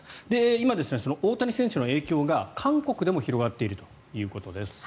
今、その大谷選手の影響が韓国でも広がっているということです。